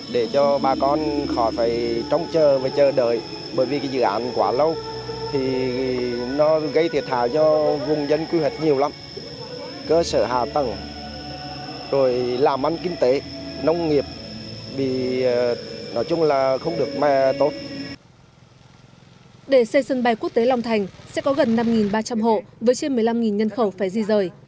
để xây sân bay quốc tế long thành sẽ có gần năm ba trăm linh hộ với trên một mươi năm nhân khẩu phải di rời